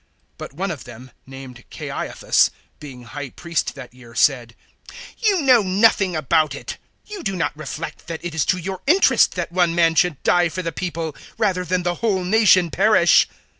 011:049 But one of them, named Caiaphas, being High Priest that year, said, "You know nothing about it. 011:050 You do not reflect that it is to your interest that one man should die for the people rather than the whole nation perish."